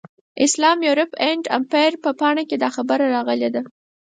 اسلام، یورپ اینډ امپایر په پاڼه کې دا خبره راغلې ده.